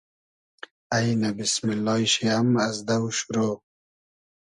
اݷنۂ بیسمیللای شی ام از دۆ شورۆ